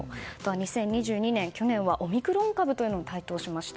２０２２年、去年はオミクロン株という言葉が台頭しました。